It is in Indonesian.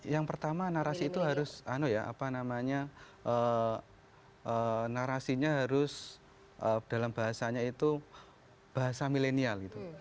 yang pertama narasi itu harus apa namanya narasinya harus dalam bahasanya itu bahasa milenial gitu